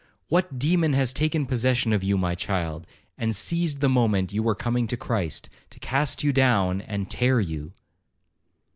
What demon has taken possession of you, my child, and seized the moment you were coming to Christ, to cast you down, and tear you?